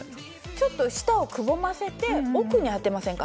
ちょっと舌をくぼませて奥に当てませんか？